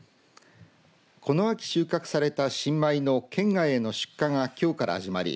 この秋収穫された新米の県外への出荷がきょうから始まり